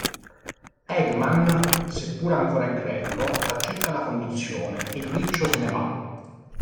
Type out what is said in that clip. Eggman, seppur ancora incredulo, accetta la condizione e il riccio se ne va.